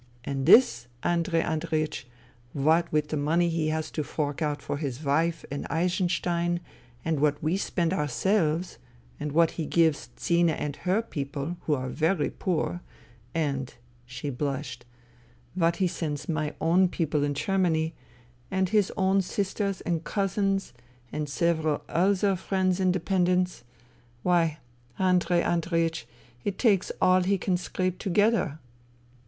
And this, Andrei Andreiech, what with the money he has to fork out for his wife and Eisenstein and what we spend ourselves and what he gives Zina and her people, who are very poor, and "— she blushed —" what he sends my own people in Germany, and his own sisters and cousins and several other friends and dependents ... why, Andrei Andreiech, it takes all he can scrape together.